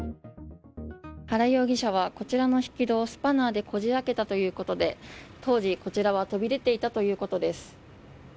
原容疑者はこちらの引き戸をスパナでこじ開けたということで当時、こちらは飛び出ていたということです。